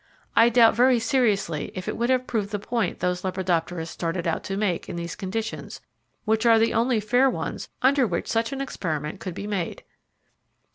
I doubt very seriously if it would have proved the point those lepidopterists started out to make in these conditions, which are the only fair ones under which such an experiment could be made.